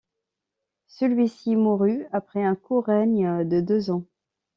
Celui-ci mourut après un court règne de deux ans.